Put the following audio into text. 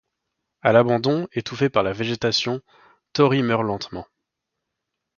A l'abandon, étouffé par la végétation, Thorey meurt lentement.